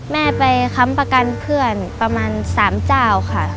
แม่ไปค้ำประกันเพื่อนประมาณ๓เจ้าค่ะ